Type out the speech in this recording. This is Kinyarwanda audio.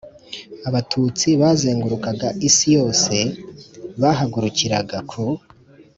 abatutsi bazengurukaga isi yose bahagurukiraga ku